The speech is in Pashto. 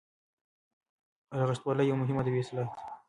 رغښتواله یوه مهمه ادبي اصطلاح ده.